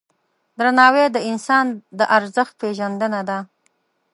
درناوی د انسان د ارزښت پیژندنه ده.